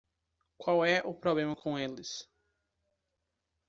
Qual é o problema com eles?